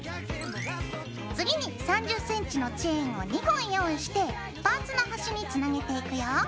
次に３０ｃｍのチェーンを２本用意してパーツの端につなげていくよ。